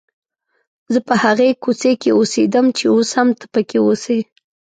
زه په هغې کوڅې کې اوسېدم چې اوس هم ته پکې اوسې.